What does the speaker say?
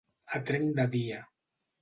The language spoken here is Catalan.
A trenc de dia.